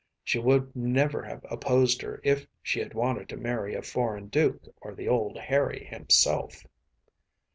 She would never have opposed her if she had wanted to marry a foreign duke or the old Harry himself.